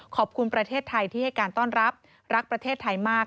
ประเทศไทยที่ให้การต้อนรับรักประเทศไทยมาก